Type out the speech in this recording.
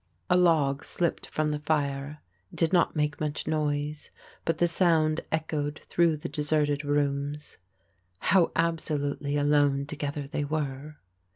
A log slipped from the fire; it did not make much noise, but the sound echoed through the deserted rooms. How absolutely alone together they were!